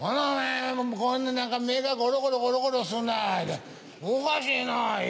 何か目がゴロゴロゴロゴロすんなぁ言うておかしいなえ？